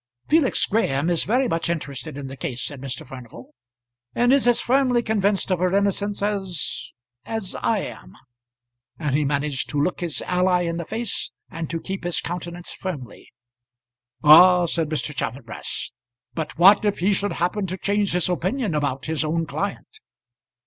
"Felix Graham is very much interested in the case," said Mr. Furnival, "and is as firmly convinced of her innocence as as I am." And he managed to look his ally in the face and to keep his countenance firmly. "Ah," said Mr. Chaffanbrass. "But what if he should happen to change his opinion about his own client?"